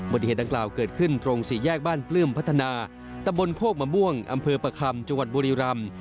เหตุดังกล่าวเกิดขึ้นตรงสี่แยกบ้านปลื้มพัฒนาตะบนโคกมะม่วงอำเภอประคำจังหวัดบุรีรำ